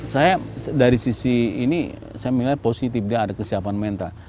saya dari sisi ini saya melihat positif dia ada kesiapan mental